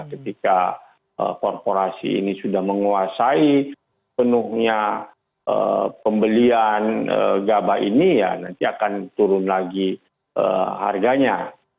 ketika korporasi ini sudah menguasai penuhnya pembelian gabah ini ya nanti akan turun lagi harganya